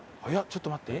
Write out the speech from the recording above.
ちょっと待って。